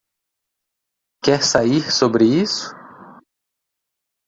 Quer sair sobre isso?